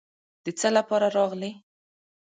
د څه لپاره راغلې.